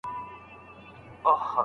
آیا باد تر باران چټک دی؟